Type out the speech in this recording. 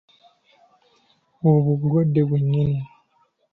Obwo bulwadde bwe nnyini.